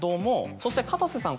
そしてかたせさん